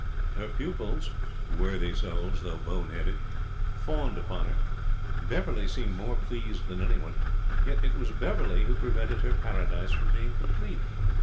Her pupils worthy souls, though bone headed fawned upon her. Beverley seemed more pleased than anyone. Yet it was Beverley who prevented her paradise from being complete.